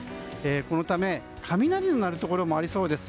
このため、雷の鳴るところもありそうです。